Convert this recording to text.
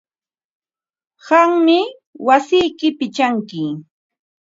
Qammi wasiyki pichanki.